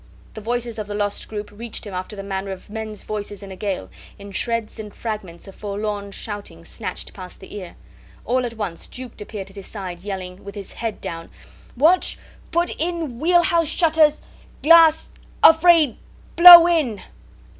The voices of the lost group reached him after the manner of men's voices in a gale, in shreds and fragments of forlorn shouting snatched past the ear. All at once Jukes appeared at his side, yelling, with his head down. "Watch put in wheelhouse shutters glass afraid blow in."